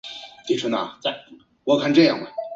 同年赴马尼拉参加菲律宾群岛医学会会议。